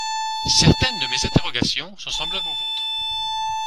Certaines de mes interrogations sont semblables aux vôtres.